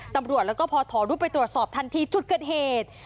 ตำรวจแล้วก็พอถอรูปไปตรวจสอบทันทีจุดเกิดเหตุ